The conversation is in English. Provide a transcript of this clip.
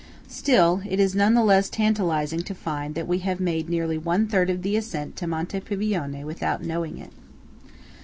Still it is none the less tantalising to find that we have made nearly one third of the ascent to Monte Pavione without knowing it.